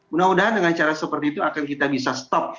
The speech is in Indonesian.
mudah mudahan dengan cara seperti itu akan kita bisa stop